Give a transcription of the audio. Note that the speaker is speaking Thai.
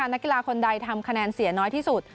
นักกีฬาคนใดทำคะแนนเสียน้อยที่สุด